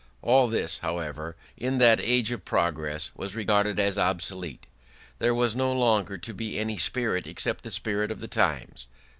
All this, however, in that age of progress, was regarded as obsolete: there was no longer to be any spirit except the spirit of the times.